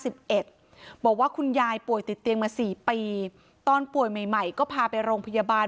บอกว่าคุณยายป่วยติดเตียงมาสี่ปีตอนป่วยใหม่ใหม่ก็พาไปโรงพยาบาล